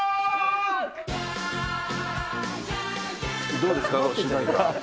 どうですか、この主題歌。